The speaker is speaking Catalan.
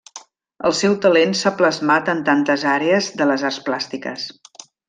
El seu talent s'ha plasmat en tantes àrees de les arts plàstiques.